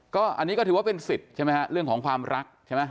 ก็อันนี้ก็ถือว่าเป็นสิทธิ์ใช่ไหมฮะเรื่องของความรักใช่ไหม